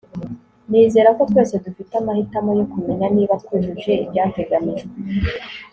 nizera ko twese dufite amahitamo yo kumenya niba twujuje ibyateganijwe